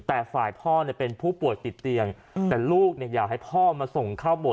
แต่ฝ่ายพ่อเป็นผู้ป่วยติดเตียงแต่ลูกอยากให้พ่อมาส่งข้าวบ่น